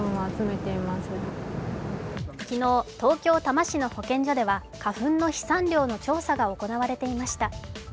昨日、東京・多摩市の保健所では花粉の飛散量の調査が行われていました。